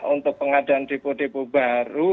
untuk pengadaan depo depo baru